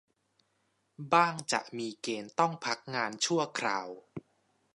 บ้างจะมีเกณฑ์ต้องพักงานชั่วคราว